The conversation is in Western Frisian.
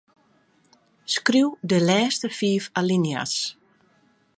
Skriuw de lêste fiif alinea's.